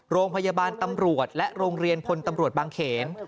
โรงพยาบาลตำรวจและโรงเรียนพลตำรวจบางเขน